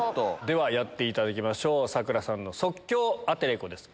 ではやっていただきましょう佐倉さんの即興アテレコです。